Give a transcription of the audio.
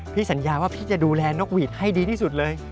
สัญญาว่าพี่จะดูแลนกหวีดให้ดีที่สุดเลย